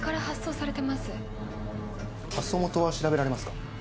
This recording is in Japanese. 発送元は調べられますか？